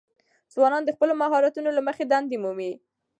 ځوانان د خپلو مهارتونو له مخې دندې مومي.